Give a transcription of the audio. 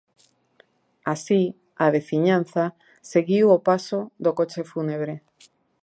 Así, a veciñanza seguiu o paso do coche fúnebre.